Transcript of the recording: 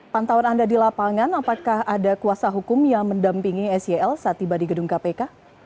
pantauan anda di lapangan apakah ada kuasa hukum yang mendampingi sel saat tiba di gedung kpk